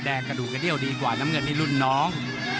กระดูกกระเดี้ยวดีกว่าน้ำเงินนี่รุ่นน้อง